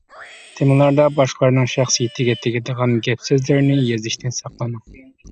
تېمىلاردا باشقىلارنىڭ شەخسىيىتىگە تېگىدىغان گەپ-سۆزلەرنى يېزىشتىن ساقلىنىڭ.